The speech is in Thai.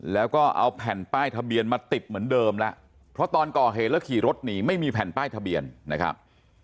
แล้วก็เอาแผ่นป้ายทะเบียนมาติดเหมือนเดิมแล้วเพราะตอนก่อเหตุแล้วขี่รถหนีไม่มีแผ่นป้ายทะเบียนนะครับ